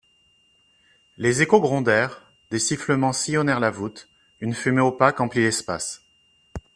Les échos grondèrent, des sifflements sillonnèrent la voûte, une fumée opaque emplit l'espace.